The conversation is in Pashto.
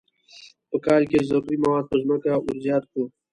په کال کې ضروري مواد په ځمکه کې ور زیات کړو.